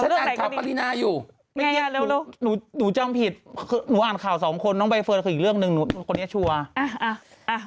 อ่านข่าวปรินาอยู่หนูจำผิดหนูอ่านข่าวสองคนน้องใบเฟิร์นคืออีกเรื่องหนึ่งหนูคนนี้ชัวร์